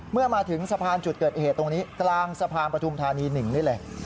เมื่อมาถึงสะพานจุดเกิดเหตุตรงนี้กลางสะพานปฐุมธานี๑นี่เลย